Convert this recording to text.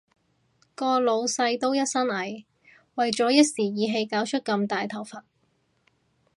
個老闆都一身蟻，為咗一時意氣搞出咁大頭佛